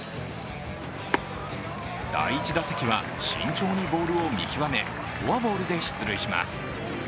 第１打席は、慎重にボールを見極めフォアボールで出塁します。